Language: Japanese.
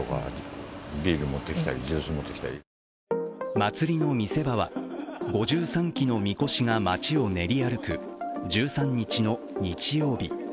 祭りの見せ場は５３基のみこしが街を練り歩く１３日の日曜日。